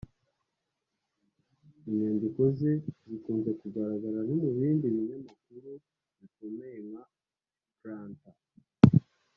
Inyandiko ze zikunze kugaragara no mu bindi binyamakuru bikomeye nka Granta